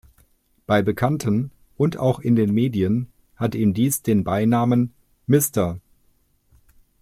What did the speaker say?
Bei Bekannten und auch in den Medien hat ihm dies den Beinamen „Mr.